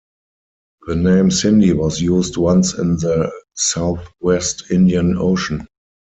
The name Cindy was used once in the Southwest Indian Ocean.